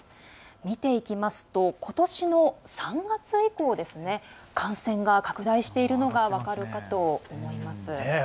見ていきますとことしの３月以降感染が拡大しているのが分かるかと思います。